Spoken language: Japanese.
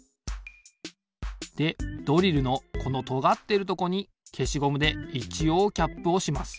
でドリルのこのとがってるとこにけしゴムでいちおうキャップをします。